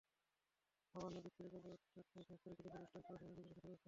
আবার নদীর তীরে করপোরেশনের ট্রেড লাইসেন্সধারী কিছু প্রতিষ্ঠান সরাসরি নদীকে দূষিত করছে।